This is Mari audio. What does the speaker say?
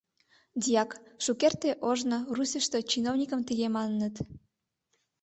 Дьяк — шукерте ожно Русьышто чиновникым тыге маныныт.